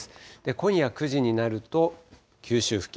今夜９時になると、九州付近。